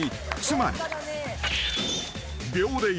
［つまり］